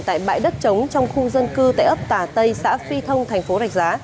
tại bãi đất trống trong khu dân cư tại ấp tà tây xã phi thông tp rạch giá